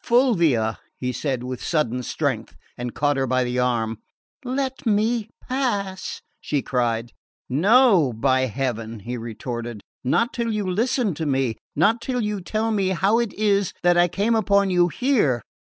"Fulvia!" he said with sudden strength, and caught her by the arm. "Let me pass!" she cried. "No, by heaven!" he retorted; "not till you listen to me not till you tell me how it is that I come upon you here!